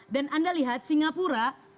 dan anda lihat singapura